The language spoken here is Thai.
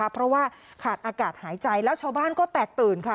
เพราะว่าขาดอากาศหายใจแล้วชาวบ้านก็แตกตื่นค่ะ